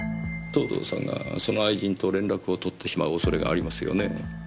藤堂さんがその愛人と連絡を取ってしまう恐れがありますよね？